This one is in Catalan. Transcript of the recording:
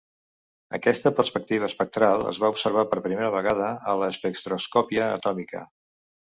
Aquesta perspectiva espectral es va observar per primera vegada a l'espectroscòpia atòmica.